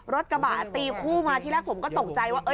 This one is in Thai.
รถกระบะตีคู่มาที่แรกผมก็ตกใจว่า